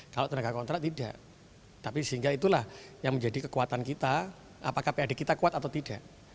kalau tenaga kontrak tidak tapi sehingga itulah yang menjadi kekuatan kita apakah pad kita kuat atau tidak